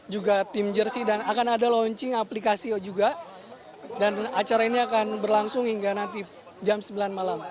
juga tim jersi dan akan ada launching aplikasi juga dan acara ini akan berlangsung hingga nanti jam sembilan malam